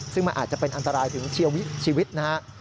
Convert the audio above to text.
ซึ่งมันอาจจะเป็นอันตรายถึงชีวิตนะฮะ